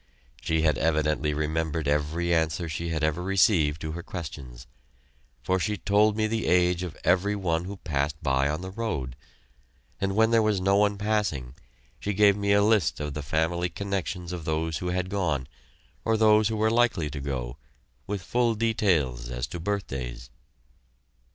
She had evidently remembered every answer she had ever received to her questions, for she told me the age of every one who passed by on the road, and when there was no one passing she gave me a list of the family connections of those who had gone, or those who were likely to go, with full details as to birthdays.